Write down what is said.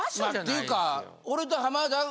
ていうか。